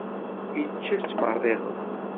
Ičča-tt meṛṛiɣet.